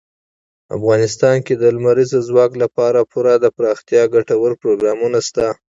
افغانستان کې د لمریز ځواک لپاره پوره دپرمختیا ګټور پروګرامونه شته دي.